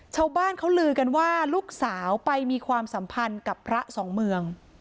ชาวบ้านเขาลือกันว่าลูกสาวไปมีความสัมพันธ์กับพระสองเมือง